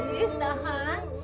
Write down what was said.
tahan iis tahan